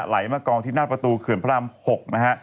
ไหลมากองที่หน้าประตูเขื่อนพระราม๖นะฮะ